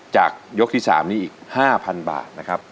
จากยกที่๓นี้อีก๕๐๐บาทนะครับ